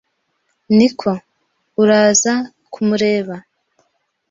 Niko? Uraza? kumureba